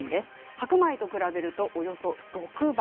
白米と比べるとおよそ６倍。